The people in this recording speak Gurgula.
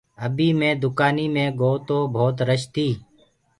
ابيٚ مي دُڪآنيٚ مي گوو تو ڀوت رش تيٚ